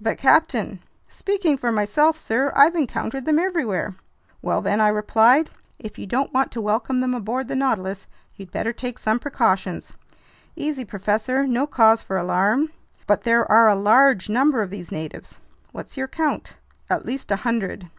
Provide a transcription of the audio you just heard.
"But captain—" "Speaking for myself, sir, I've encountered them everywhere." "Well then," I replied, "if you don't want to welcome them aboard the Nautilus, you'd better take some precautions!" "Easy, professor, no cause for alarm." "But there are a large number of these natives." "What's your count?" "At least a hundred."